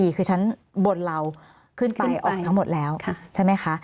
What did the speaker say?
คือชั้นบนเราขึ้นไปออกทั้งหมดแล้วใช่ไหมคะ